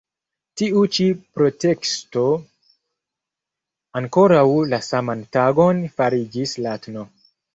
Tiu ĉi preteksto ankoraŭ la saman tagon fariĝis la tn.